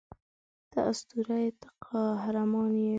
ته اسطوره یې ته قهرمان یې